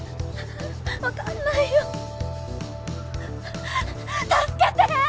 分かんないよ助けて！